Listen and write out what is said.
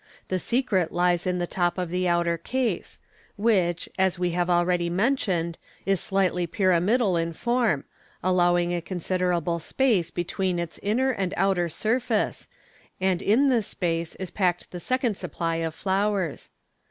The secret lies in the top of the outer case, which, as we have already mentioned, is slightly Fig. 170. MODERN MA'GTC. 54: Fig. 177. pyramidal! in form, allowing a considerable space between \U inner and outer surface, and in this space is packed the second supply of flowers.